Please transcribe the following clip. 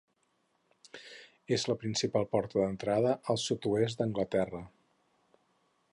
És la principal porta d'entrada al sud-oest d'Anglaterra.